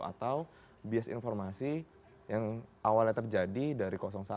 atau bias informasi yang awalnya terjadi dari satu